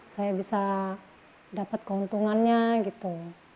saya bisa dapat keuntungannya gitu